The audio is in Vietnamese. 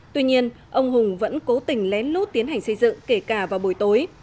tuy nhiên ông hùng vẫn cố tình lén lút tiến hành xây dựng kể cả vào buổi tối